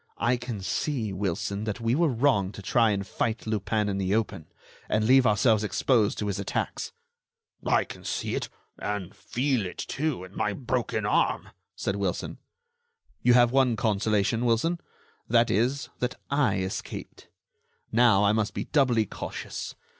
I can see, Wilson, that we were wrong to try and fight Lupin in the open, and leave ourselves exposed to his attacks." "I can see it, and feel it, too, in my broken arm," said Wilson. "You have one consolation, Wilson; that is, that I escaped. Now, I must be doubly cautious.